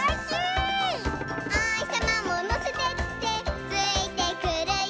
「おひさまものせてってついてくるよ」